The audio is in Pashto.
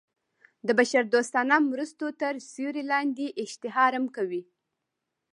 د بشر دوستانه مرستو تر سیورې لاندې اشتهار هم کوي.